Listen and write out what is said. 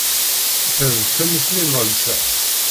Ta d tamussni n llsas.